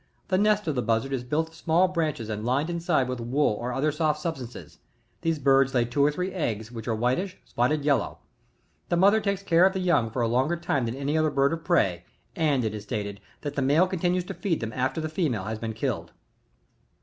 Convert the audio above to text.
The nest, of the Buzzard is built of small branches and lined inside with wool or other soft substances ; these birds lay two or three eggs, which are whitish, spotted yellow ; the mother takes^ve of her young for a longer time than any other bird of prey, and it is stated, that the male continues to feed them after its female has been killed.